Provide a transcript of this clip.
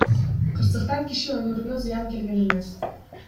Кырсыктан киши өмүрүнө зыян келген эмес.